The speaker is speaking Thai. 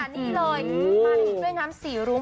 นี่เลยมาด้วยน้ำสีรุ้ง